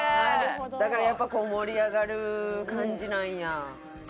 だからやっぱ盛り上がる感じなんや。